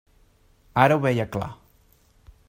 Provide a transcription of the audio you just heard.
Ara ho veia clar.